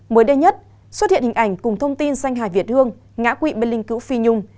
mới đây nhất xuất hiện hình ảnh cùng thông tin danh hài việt hương ngã quỵ bên linh cử phi nhung